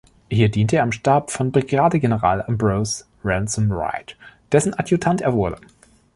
Hier diente er im Stab von Brigadegeneral Ambrose Ransom Wright, dessen Adjutant er wurde.